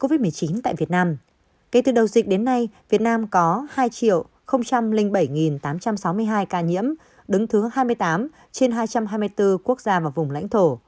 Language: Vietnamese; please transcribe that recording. covid một mươi chín tại việt nam kể từ đầu dịch đến nay việt nam có hai bảy tám trăm sáu mươi hai ca nhiễm đứng thứ hai mươi tám trên hai trăm hai mươi bốn quốc gia và vùng lãnh thổ